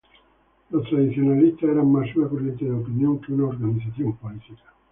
Los tradicionalistas eran más una corriente de opinión que una organización política.